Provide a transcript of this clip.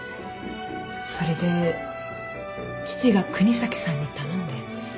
それで父が國東さんに頼んで。